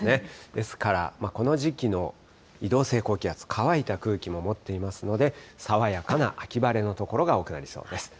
ですからこの時期の移動性高気圧、乾いた空気も持っていますので、爽やかな秋晴れの所が多くなりそうです。